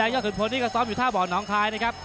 ยกขึ้นพนนี้ก็ซ้อมอยู่ท่าบ่อนหนองคลายครับ